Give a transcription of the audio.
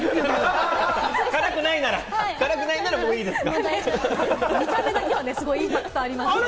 辛くないなら、もういいですか。